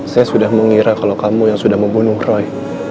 saya sudah mengira kalau kamu yang sudah membunuh roy